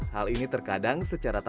bila kita dalam kondisi stres